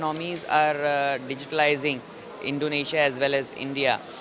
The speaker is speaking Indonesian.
kami berdua digitalisasi indonesia dan india